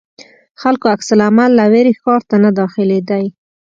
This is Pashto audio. خلکو عکس العمل له وېرې ښار ته نه داخلېدی.